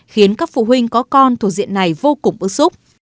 khiến các phụ huynh có con thuộc diện này vô cùng bức xúc